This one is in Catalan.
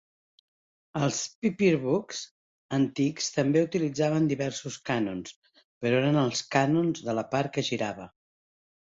Els "pepperbox" antics també utilitzaven diversos canons, però eren els canons la part que girava.